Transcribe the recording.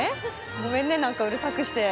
ごめんね、うるさくして。